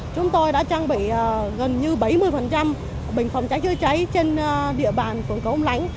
chúng tôi đã trang bị gần như bảy mươi bình phòng cháy chữa cháy trên địa bàn phường cầu âm lãnh